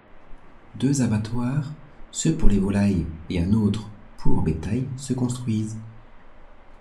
Deux abatoirs, ce pour les volailles, et un autre pour bétail se construisent.